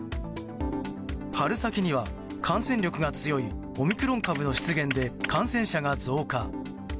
春先には感染力が強いオミクロン株の出現で感染者が増加。